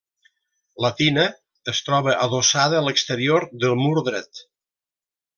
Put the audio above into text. La tina es troba adossada a l'exterior del mur dret.